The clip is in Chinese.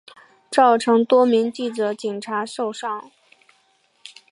造成多名记者警察受伤